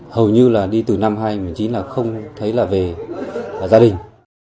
hầu như là đi từ năm hai nghìn một mươi chín là không thấy là về gia đình